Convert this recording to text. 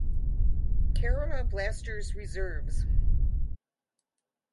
Kerala Blasters Reserves